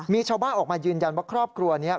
มีชาวบ้านออกมายืนยันว่าครอบครัวนี้